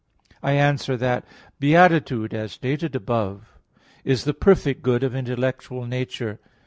I answer that, Beatitude, as stated above (A. 1), is the perfect good of an intellectual nature.